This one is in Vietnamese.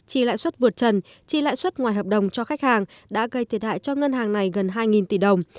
chi lãi suất vượt trần chi lãi suất ngoài hợp đồng cho khách hàng đã gây thiệt hại cho ngân hàng này gần hai tỷ đồng